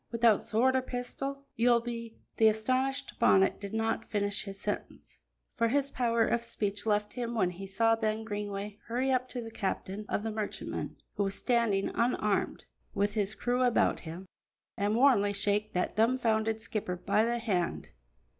Without sword or pistol, you'll be " The astonished Bonnet did not finish his sentence, for his power of speech left him when he saw Ben Greenway hurry up to the captain of the merchantman, who was standing unarmed, with his crew about him, and warmly shake that dumfounded skipper by the hand.